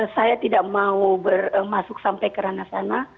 saya tidak mau masuk sampai ke ranah sana